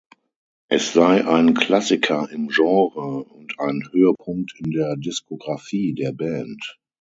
Es sei ein „Klassiker im Genre“ und ein „Höhepunkt in der Diskografie“ der Band.